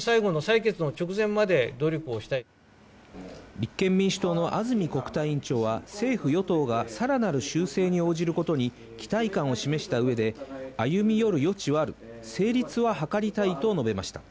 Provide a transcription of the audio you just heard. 立憲民主党の安住国対委員長は政府・与党がさらなる修正に応じることに期待感を示した上で歩み寄る余地はある成立は図りたいと述べました。